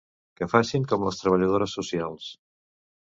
Que facin com les treballadores socials.